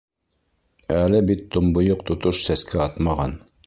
Әле бит томбойоҡ тотош сәскә атмаған.